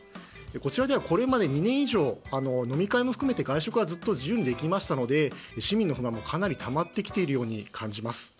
こちらではこれまで２年以上飲み会も含めて外食はずっと自由にできましたので市民の不満もかなりたまってきているように感じます。